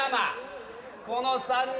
この３人だ。